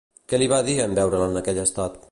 Què li va dir en veure'l en aquell estat?